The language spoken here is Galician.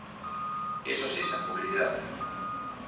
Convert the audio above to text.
Iso si, sen publicidade.